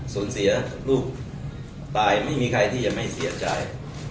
สูญเสียลูกตายไม่มีใครที่จะไม่เสียใจ